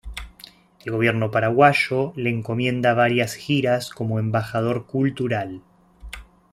El gobierno paraguayo le encomienda varias giras, como embajador cultural.